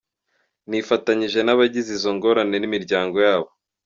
Nifatanije n'abigize izo ngorane n'imiryango yabo.